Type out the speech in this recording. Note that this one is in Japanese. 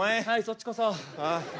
はいそっちこそ。